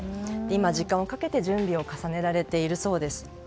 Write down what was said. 今は時間をかけて準備を重ねられているそうです。